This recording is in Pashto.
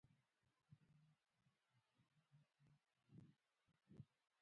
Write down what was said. ازادي راډیو د بهرنۍ اړیکې پرمختګ سنجولی.